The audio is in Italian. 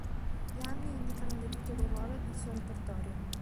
Gli anni indicano il debutto del ruolo nel suo repertorio.